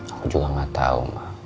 aku juga gak tau